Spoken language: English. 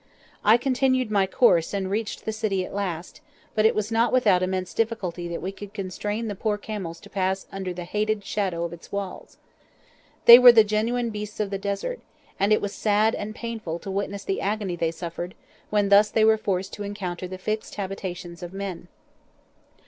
I continued my course and reached the city at last, but it was not without immense difficulty that we could constrain the poor camels to pass under the hated shadow of its walls. They were the genuine beasts of the Desert, and it was sad and painful to witness the agony they suffered when thus they were forced to encounter the fixed habitations of men.